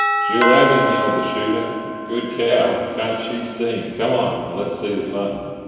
"She'll have 'im!" yelled the shooter. "Good cow! Can't she steam? Come on, and let's see the fun!"